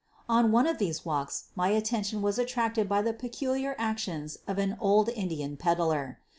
On one of these walks my attention was attracted by the peculiar actions of an old Indian peddler.